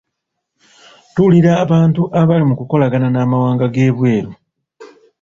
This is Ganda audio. Tuwulira abantu abali mu kukolagana n'amawanga g'ebweru.